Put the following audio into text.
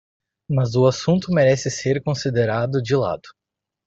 Mas o assunto merece ser considerado de lado.